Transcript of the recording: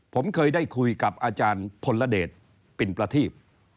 ผมเคยได้คุยกับอาจารย์พลเดชปิ่นประทีบ